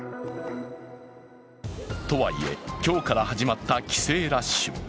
とはいえ今日から始まった帰省ラッシュ。